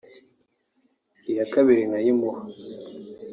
iya kabiri nkayimuha”